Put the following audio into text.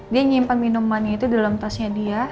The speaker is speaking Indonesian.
dia nyimpan minumannya itu dalam tasnya dia